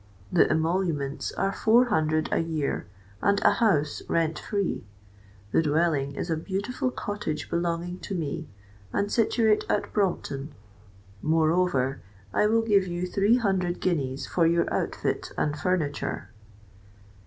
The emoluments are four hundred a year, and a house rent free. The dwelling is a beautiful cottage belonging to me, and situate at Brompton. Moreover, I will give you three hundred guineas for your outfit and furniture."